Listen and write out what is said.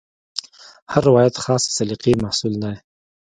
هر روایت خاصې سلیقې محصول دی.